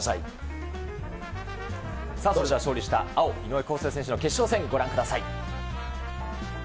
それでは勝利した青、井上康生選手の決勝戦、ご覧ください。